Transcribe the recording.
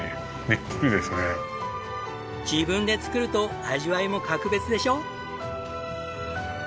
自分で作ると味わいも格別でしょ？